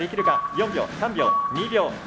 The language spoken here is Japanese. ４秒３秒２秒１秒。